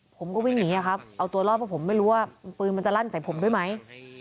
ผมก็วิ่งหนีครับเอาตัวรอดเพราะผมไม่รู้ว่าปืนมันจะลั่นใส่ผมด้วยไหม